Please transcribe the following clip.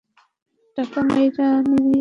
টাকা মাইরা নিতাছে!